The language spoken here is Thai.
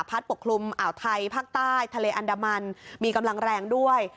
ปกคลุมอ่าวไทยภาคใต้ทะเลอันดามันมีกำลังแรงด้วย